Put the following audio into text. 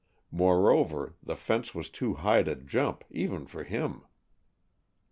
Moreover the fence was too high to jump, even for him.